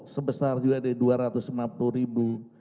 sebesar usd dua ratus lima puluh ribu